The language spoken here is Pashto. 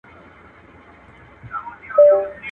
د پاچا يې د جامو كړل صفتونه.